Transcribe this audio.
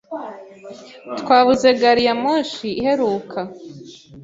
Twabuze gari ya moshi iheruka.